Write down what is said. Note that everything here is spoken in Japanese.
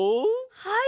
はい！